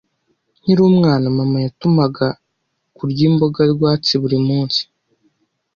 Nkiri umwana, mama yatumaga kurya imboga rwatsi buri munsi.